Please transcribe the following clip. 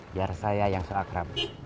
biar saya yang seakram